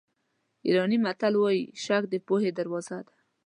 ایراني متل وایي شک د پوهې دروازه ده.